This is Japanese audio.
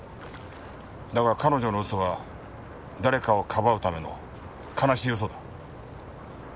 だが彼女の嘘は誰かをかばうための悲しい嘘だ。